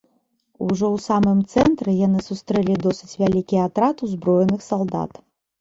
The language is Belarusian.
Ужо ў самым цэнтры яны сустрэлі досыць вялікі атрад узброеных салдат.